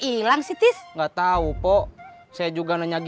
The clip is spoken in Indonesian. ini biar saya keren ya